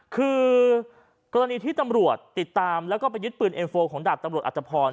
คือกรณีที่ตำรวจติดตามแล้วก็ไปยึดปืนเอ็มโฟของดาบตำรวจอัตภพร